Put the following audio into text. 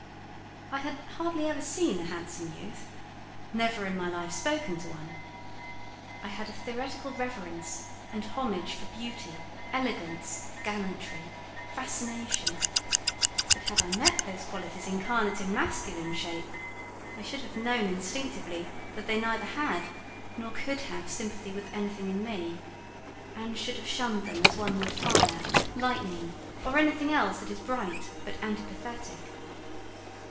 I had hardly ever seen a handsome youth; never in my life spoken to one. I had a theoretical reverence and homage for beauty, elegance, gallantry, fascination; but had I met those qualities incarnate in masculine shape, I should have known instinctively that they neither had nor could have sympathy with anything in me, and should have shunned them as one would fire, lightning, or anything else that is bright but antipathetic.